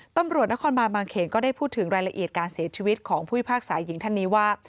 ตำรวจนครบานบางเขนก็ได้พูดถึงรายละเอียดการเสียชีวิตของผู้พิพากษาหญิงท่านนี้ว่า